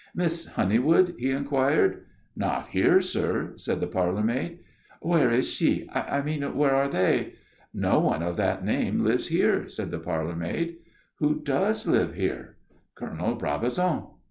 "Miss Honeywood?" he inquired. "Not here, sir," said the parlour maid. "Where is she? I mean, where are they?" "No one of that name lives here," said the parlour maid. "Who does live here?" "Colonel Brabazon."